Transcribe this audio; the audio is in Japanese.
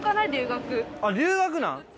留学なん？